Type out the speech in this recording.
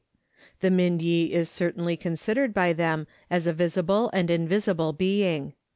The Miudye is certainly considered by them as a visible and invisible being.